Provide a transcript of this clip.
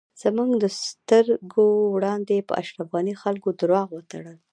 زموږ د سترږو وړاندی په اشرف غنی خلکو درواغ وتړل